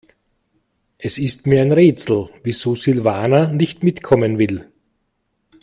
Es ist mir ein Rätsel, wieso Silvana nicht mitkommen will.